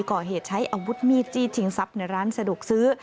ก่อเหตุใช้อาวุธมีดจี้ชิงทรัพย์ในร้านสะดวกซื้อ